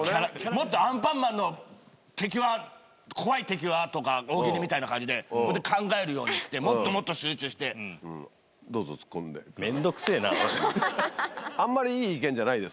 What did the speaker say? もっとアンパンマンの敵は、怖い敵は？とか、大喜利みたいな感じで考えるようにして、最もっどうぞ突っ込んで。